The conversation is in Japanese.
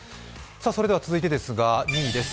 それでは続いてですが、２位です。